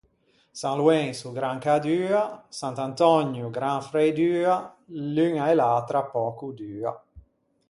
San Loenso gran cädua, Sant’Antögno gran freidua, l’uña e l’atra pöco dua.